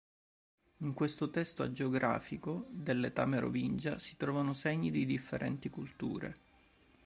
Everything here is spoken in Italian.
In questo testo agiografico dell'età merovingia si trovano segni di differenti culture.